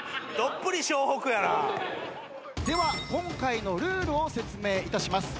では今回のルールを説明いたします。